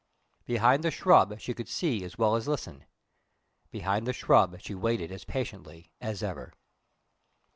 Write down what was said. Behind the shrub she could see as well as listen. Behind the shrub she waited as patiently as ever.)